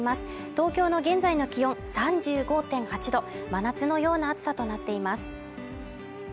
東京の現在の気温３５．８度真夏のような暑さとなっています。